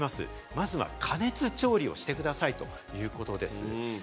まず加熱調理をしてくださいということです。